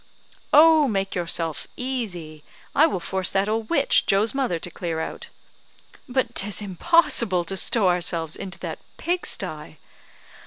"Oh, make yourself easy; I will force that old witch, Joe's mother, to clear out." "But 'tis impossible to stow ourselves into that pig sty."